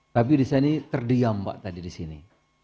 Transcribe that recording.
tapi disini terdiam pak tadi disini